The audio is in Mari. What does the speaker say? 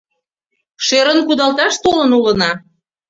Шӧрын кудалташ толын улына.